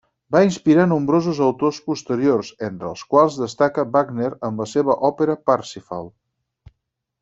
Va inspirar nombrosos autors posteriors, entre els quals destaca Wagner amb la seva òpera Parsifal.